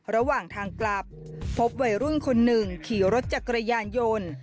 ระหว่างทางกลับพบวัยรุ่นคนหนึ่งขี่รถจักรยานยนต์